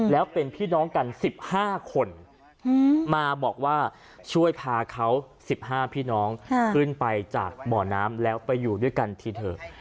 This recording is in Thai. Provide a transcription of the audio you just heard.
แล้วเป็นพี่น้องกัน๑๕คนมาบอกว่าช่วยพาเขา๑๕พี่น้องขึ้นไปจากบ่อน้ำแล้วไปอยู่ด้วยกันทีเถอะ